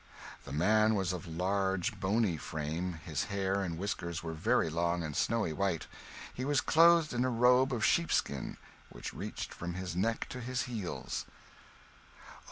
The man was of large, bony frame; his hair and whiskers were very long and snowy white; he was clothed in a robe of sheepskins which reached from his neck to his heels.